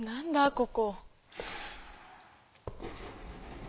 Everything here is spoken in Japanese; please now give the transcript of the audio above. ここ。